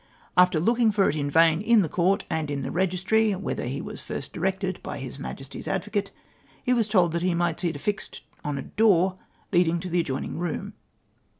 After look ing for it in vain in the Court, and in the Beijistrij^ whither he Avas first directed by His Majesty's Advocate, he Avas told that he might see it affixed on a door leading to the adjoining room.